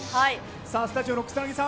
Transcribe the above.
スタジオの草なぎさん